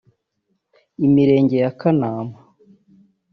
Imirenge ya Kanama